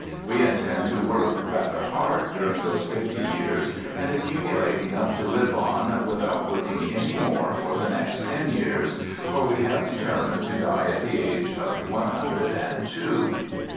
We intend to work rather hard during those fifty years and accumulate enough to live on without working any more for the next ten years, for we have determined to die at the age of one hundred and two.